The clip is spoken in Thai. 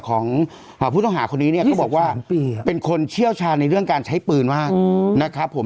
ของผู้ต้องหาว่าเป็นคนเชี่ยวชาญในเรื่องการใช้ปืนมากนะครับผม